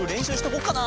こうかな？